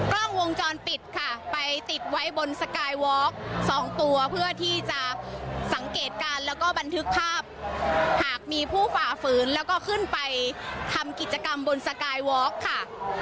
กล้องวงจรปิดค่ะไปติดไว้บนสกายวอล์กสองตัวเพื่อที่จะสังเกตการณ์แล้วก็บันทึกภาพหากมีผู้ฝ่าฝืนแล้วก็ขึ้นไปทำกิจกรรมบนสกายวอล์กค่ะ